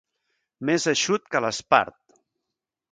Més eixut que l'espart.